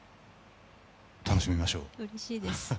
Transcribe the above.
楽しみましょう。